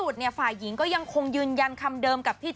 แต่